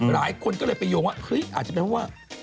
หลายคนก็เลยไปโยงว่าเฮ้ยอาจจะเป็นเพราะว่า